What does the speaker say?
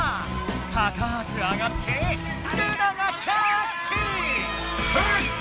たかく上がってルナがキャーッチ！